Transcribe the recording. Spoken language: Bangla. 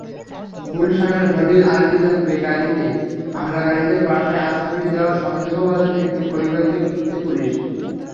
গুলশানের হলি আর্টিজান বেকারিতে হামলাকারীদের বাসায় আশ্রয় দেওয়া সন্দেহভাজন একটি পরিবারকে খুঁজছে পুলিশ।